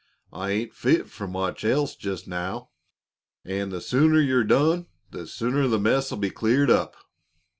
"I ain't fit for much else jest now an' the sooner you're done, the sooner the mess'll be cleared up."